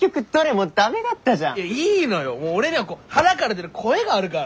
もう俺にはこう腹から出る声があるから。